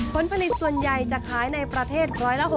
ผลผลิตส่วนใหญ่จะขายในประเทศ๑๖๐